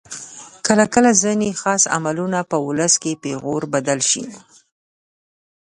کله کله ځینې خاص عملونه په ولس کې پیغور بدل شي.